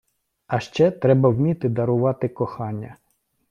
А ще треба вміти дарувати кохання.